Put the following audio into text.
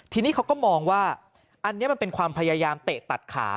ทีนี้เขาก็มองว่าอันนี้มันเป็นความพยายามเตะตัดขา